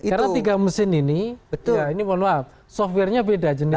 karena tiga mesin ini ini mohon maaf software nya beda jenisnya